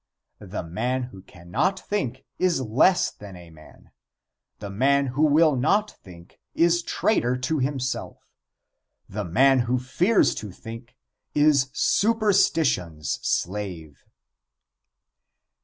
The man who cannot think is less than man; the man who will not think is traitor to himself; the man who fears to think is superstition's slave.